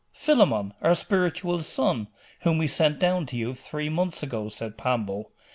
'Philammon, our spiritual son, whom we sent down to you three months ago,' said Pambo.